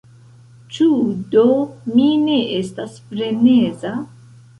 Ĉu do mi ne estas freneza?